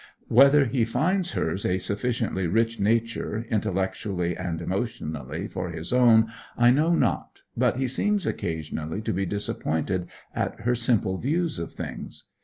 Whether he finds hers a sufficiently rich nature, intellectually and emotionally, for his own, I know not, but he seems occasionally to be disappointed at her simple views of things.